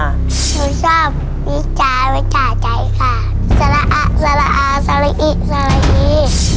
หนูชอบนิจจาวิจาใจค่ะสละอะสละอาสละอิสละอี